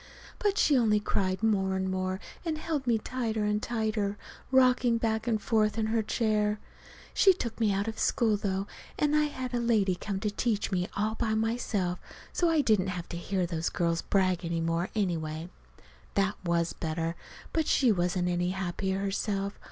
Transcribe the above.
But she only cried more and more, and held me tighter and tighter, rocking back and forth in her chair. She took me out of school, though, and had a lady come to teach me all by myself, so I didn't have to hear those girls brag any more, anyway. That was better. But she wasn't any happier herself.